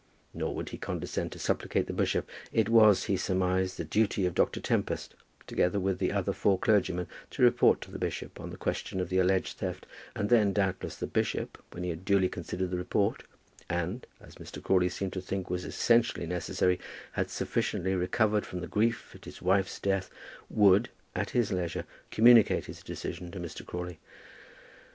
Nor would he condescend to supplicate the bishop. It was, he surmised, the duty of Dr. Tempest, together with the other four clergymen, to report to the bishop on the question of the alleged theft; and then doubtless the bishop, when he had duly considered the report, and, as Mr. Crawley seemed to think was essentially necessary, had sufficiently recovered from the grief at his wife's death, would, at his leisure, communicate his decision to Mr. Crawley.